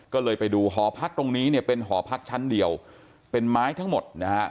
ก็เลยไปดูหอพักตรงนี้เนี่ยเป็นหอพักชั้นเดียวเป็นไม้ทั้งหมดนะฮะ